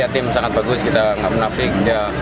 tim sangat bagus kita nggak menafik